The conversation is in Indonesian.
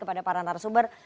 kepada para antarsumber